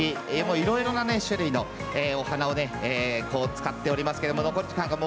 いろいろな種類のお花を使っております。